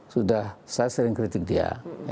sudah saya sering kritik dia